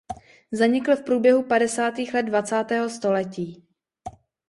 Zanikl v průběhu padesátých let dvacátého století.